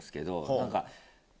何か。